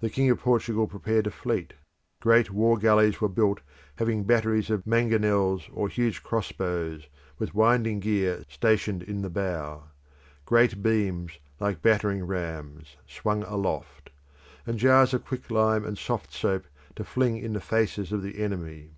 The King of Portugal prepared a fleet; great war galleys were built having batteries of mangonels or huge crossbows, with winding gear, stationed in the bow; great beams, like battering rams; swung aloft; and jars of quicklime and soft soap to fling in the faces of the enemy.